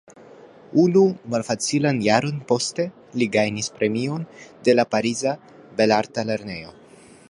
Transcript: Unu malfacilan jaron poste, li gajnis premion de la pariza belarta lernejo.